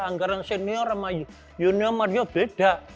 anggaran senior sama junior mario beda